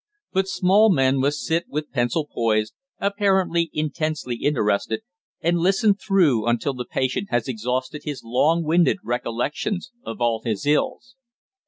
But small men must sit with pencil poised, apparently intensely interested, and listen through until the patient has exhausted his long winded recollections of all his ills.